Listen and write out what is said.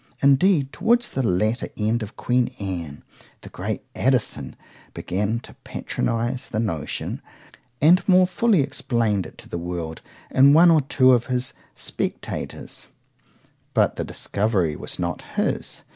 Indeed toward the latter end of queen Anne, the great Addison began to patronize the notion, and more fully explained it to the world in one or two of his Spectators;—but the discovery was not his.